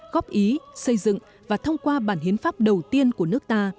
góp ý xây dựng và thông qua bản hiến pháp đầu tiên của nước ta